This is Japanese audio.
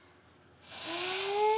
へえ。